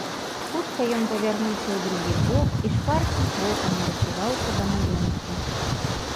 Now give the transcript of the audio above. Хутка ён павярнуўся ў другі бок і шпаркім крокам нарыхтаваўся да маёнтка.